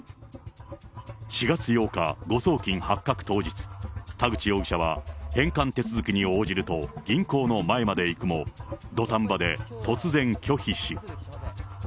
４月８日、誤送金発覚当日、田口容疑者は返還手続きに応じると、銀行の前まで行くも、土壇場で突然拒否し。